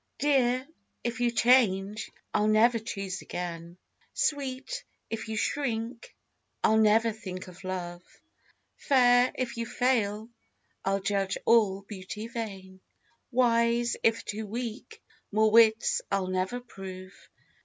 Dear, if you change, I'll never choose again; Sweet, if you shrink, I'll never think of love; Fair, if you fail, I'll judge all beauty vain; Wise, if too weak, more wits I'll never prove.